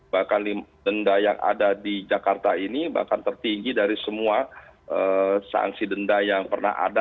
bahkan denda yang ada di jakarta ini bahkan tertinggi dari semua sanksi denda yang pernah ada